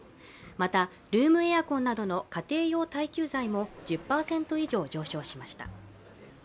また、ルームエアコンなどの家庭用耐久財も１０％以上上昇しました。